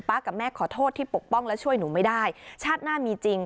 กับแม่ขอโทษที่ปกป้องและช่วยหนูไม่ได้ชาติหน้ามีจริง